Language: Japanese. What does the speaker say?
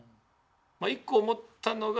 まあ一個思ったのが。